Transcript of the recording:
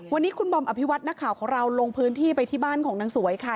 วันนี้คุณบอมอภิวัตินักข่าวของเราลงพื้นที่ไปที่บ้านของนางสวยค่ะ